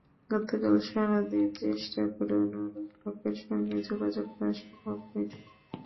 গতকাল সারা দিন চেষ্টা করেও নুরুল হকের সঙ্গে যোগাযোগ করা সম্ভব হয়নি।